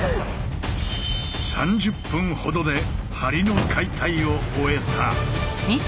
３０分ほどで梁の解体を終えた。